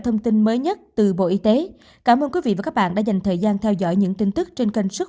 thông tin mới nhé cảm ơn các bạn đã theo dõi và hẹn gặp lại